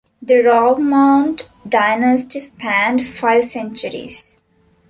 The Rougemont dynasty spanned five centuries.